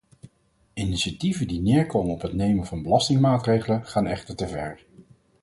Initiatieven die neerkomen op het nemen van belastingmaatregelen gaan echter te ver.